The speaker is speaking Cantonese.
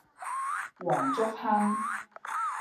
黃竹坑